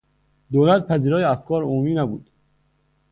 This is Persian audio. دولت پذیرای افکار عمومی نبود.